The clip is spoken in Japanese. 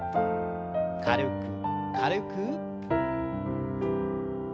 軽く軽く。